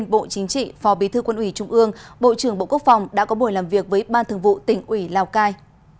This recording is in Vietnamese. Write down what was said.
bộ chính trị phó bí thư quân ủy trung ương bộ trưởng bộ quốc phòng đã có buổi làm việc với ban thường vụ tỉnh ủy lào cai